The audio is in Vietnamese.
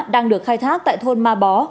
đang được khai thác tại thôn ma bó